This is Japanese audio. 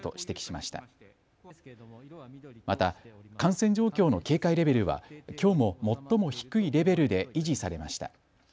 また、感染状況の警戒レベルはきょうも最も低いレベルで維持されました。